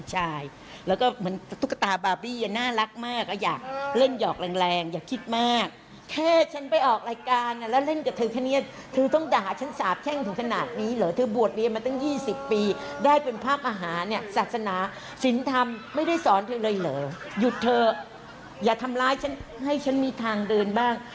หยุดเถอะอย่าทำร้ายฉันให้ฉันมีทางเดินบ้าง